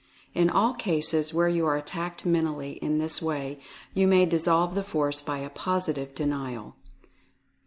In all cases where you are attacked mentally in this way you may dissolve the Force by a POSITIVE DE NIAL.